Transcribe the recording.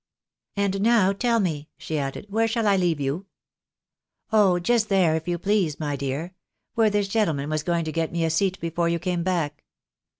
" And now tell me," she added, " where I shall leave you ?"" Oh ! just there, if you please, my dear — where this gentle man was going to get me a seat before you came back."